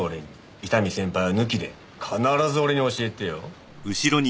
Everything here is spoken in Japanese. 伊丹先輩は抜きで必ず俺に教えてよ。